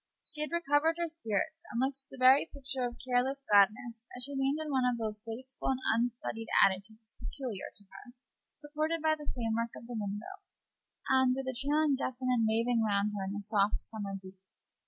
She had recovered her spirits, and looked the very picture of careless gladness as she leaned in one of those graceful and unstudied attitudes peculiar to her, supported by the frame work of the window, and with the trailing jessamine waving round her in the soft summer breeze.